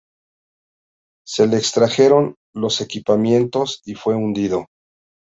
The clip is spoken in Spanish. Se le extrajeron los equipamientos y fue hundido.